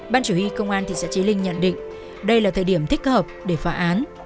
ban chủ huy công an thị xã trí linh nhận định đây là thời điểm thích hợp để phá án